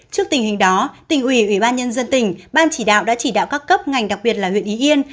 các bác chỉ đạo các cấp ngành đặc biệt là huyện y yên